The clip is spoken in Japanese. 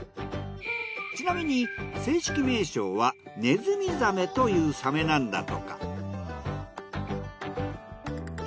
ちなみに正式名称はネズミザメというサメなんだとか。